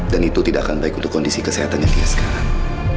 dan itu tidak akan baik untuk kondisi kesehatannya dia sekarang